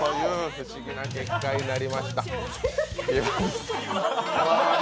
不思議な結果になりました。